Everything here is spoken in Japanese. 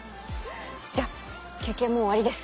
じゃ休憩もう終わりです。